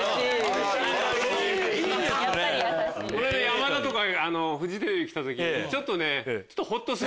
山田とかフジテレビ来た時ちょっとね。